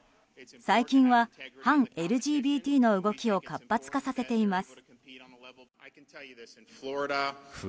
最近は、反ＬＧＢＴの動きを活発化させています。